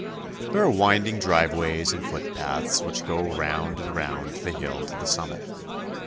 There are winding driveways and footpaths which go round and round the hill to the summit.